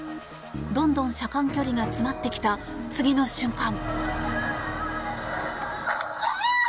どんどん車間距離が詰まってきた次の瞬間。